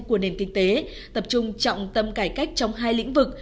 của nền kinh tế tập trung trọng tâm cải cách trong hai lĩnh vực